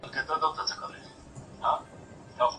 اقتصادي ستونزي مه هېروئ خو څېړنه هم په سمه توګه وکړئ.